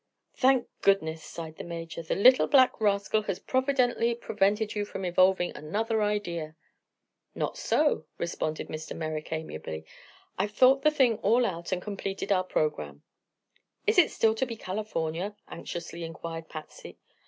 "Thank goodness," sighed the Major. "The little black rascal has providently prevented you from evolving another idea." "Not so," responded Mr. Merrick amiably. "I've thought the thing all out, and completed our programme." "Is it still to be California?" anxiously inquired Patsy.